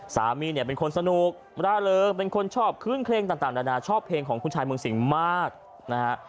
สามีเนี่ยเป็นคนสนุกร่าเริงเป็นคนชอบคลื่นเครงต่างนานาชอบเพลงของคุณชายเมืองสิงห์มากนะฮะ